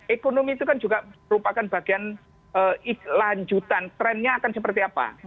ekonomi itu kan juga merupakan bagian lanjutan trennya akan seperti apa